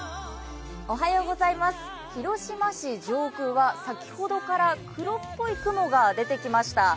広島市上空は先ほどから黒っぽい雲が出てきました。